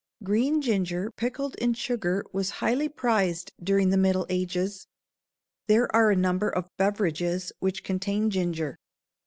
Green ginger pickled in sugar was highly prized during the middle ages. There are a number of beverages which contain ginger.